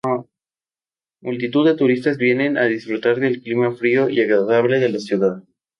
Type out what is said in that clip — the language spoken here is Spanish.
Multitud de turistas vienen a disfrutar del clima frío y agradable de la ciudad.